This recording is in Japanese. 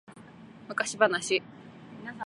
昔話